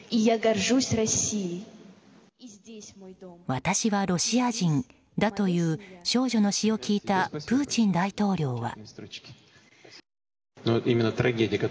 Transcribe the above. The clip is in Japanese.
私はロシア人だという少女の詩を聞いたプーチン大統領は。